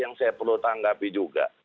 yang saya perlu tanggapi juga